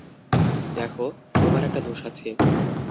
দেখো, তোমার একটা দোষ আছে।